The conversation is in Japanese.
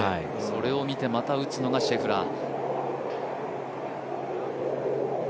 それを見てまた打つのがシェフラー。